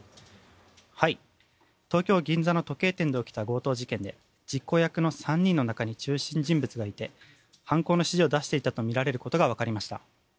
東京・銀座の時計店で起きた強盗事件で実行役の３人の中に中心人物がいて犯行の指示を出していたとみられることがわかりました。